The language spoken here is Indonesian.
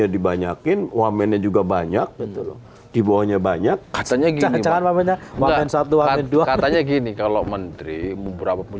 dibanyakin wamennya juga banyak bentuk dibawahnya banyak katanya gini kalau menteri beberapa pun